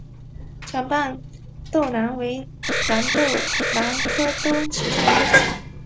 长瓣兜兰为兰科兜兰属下的一个种。